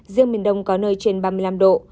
riêng miền đông có nơi trên ba mươi năm độ